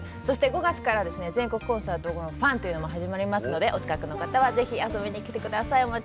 そして５月からは全国コンサート「ＦＵＮ」というのも始まりますのでお近くの方はぜひ遊びにきてください